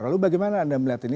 lalu bagaimana anda melihat ini